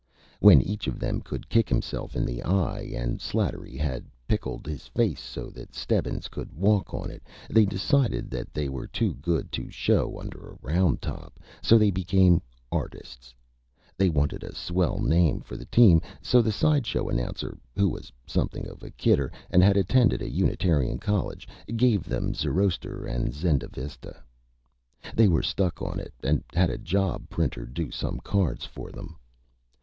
When each of them could Kick Himself in the Eye and Slattery had pickled his Face so that Stebbins could walk on it, they decided that they were too good to show under a Round Top, so they became Artists. They wanted a Swell Name for the Team, so the Side Show Announcer, who was something of a Kidder and had attended a Unitarian College, gave them Zoroaster and Zendavesta. They were Stuck on it, and had a Job Printer do some Cards for them.